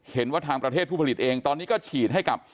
เห็นว่าทางประเทศผู้ผลิตเองตอนนี้ก็ฉีดให้กับ